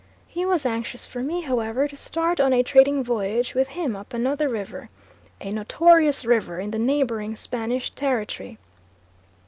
He was anxious for me, however, to start on a trading voyage with him up another river, a notorious river, in the neighbouring Spanish territory.